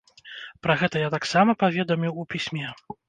Пра гэта я таксама паведаміў у пісьме.